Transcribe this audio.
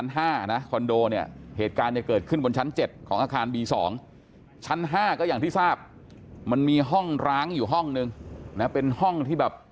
ในเรื่องของความปลอดภัย